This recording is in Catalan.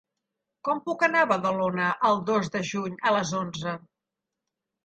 Com puc anar a Badalona el dos de juny a les onze?